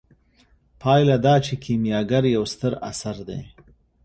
پایله دا چې کیمیاګر یو ستر اثر دی.